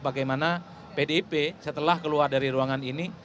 bagaimana pdip setelah keluar dari ruangan ini